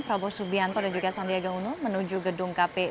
prabowo subianto dan juga sandiaga uno menuju gedung kpu